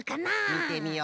みてみよう。